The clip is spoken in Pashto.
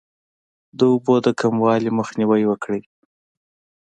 د اوبو د کموالي مخنیوی وکړئ.